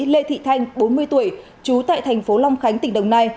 lê thị thanh bốn mươi tuổi trú tại thành phố long khánh tỉnh đồng nai